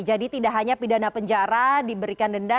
jadi tidak hanya pidana penjara diberikan denda